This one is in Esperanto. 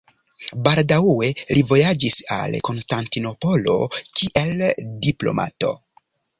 Baldaŭe li vojaĝis al Konstantinopolo, kiel diplomato.